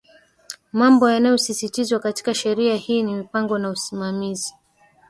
Mambo yanayosisitizwa katika Sheria hii ni mipango na usimamizi